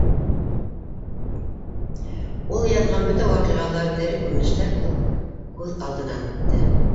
Ул яҙған бөтә ваҡиғалар, тере күренештәр булып, күҙ алдынан үтте.